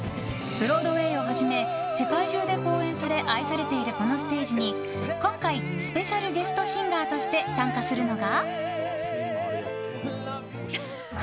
ブロードウェーをはじめ世界中で公演され愛されているこのステージに今回スペシャルゲストシンガーとして参加するのが。